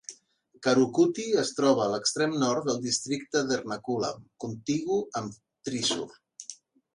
Karukutty es troba al extrem nord del districte d'Ernakulam, contigu amb Thrissur.